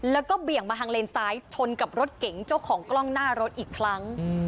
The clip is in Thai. แล้วก็เบี่ยงมาทางเลนซ้ายชนกับรถเก๋งเจ้าของกล้องหน้ารถอีกครั้ง